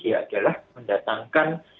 ya adalah mendatangkan